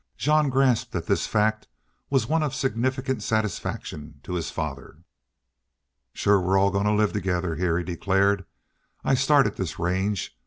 Jean grasped that this fact was one of significant satisfaction to his father. "Shore we're all goin' to live together heah," he declared. "I started this range.